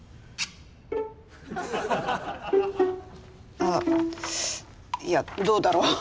あっいやどうだろう。